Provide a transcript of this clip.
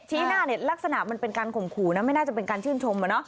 หน้าเนี่ยลักษณะมันเป็นการข่มขู่นะไม่น่าจะเป็นการชื่นชม